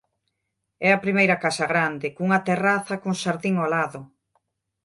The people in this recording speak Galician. É a primeira casa grande, cunha terraza con xardín ao lado…